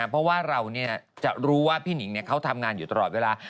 เพราะว่าเราจะรู้ว่าพี่หนิงเขาทำงานอยู่ตลอดเวลา